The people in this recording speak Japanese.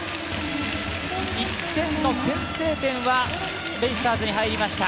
１点の先制点はベイスターズに入りました。